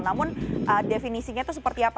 namun definisinya itu seperti apa